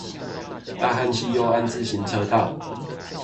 大漢溪右岸自行車道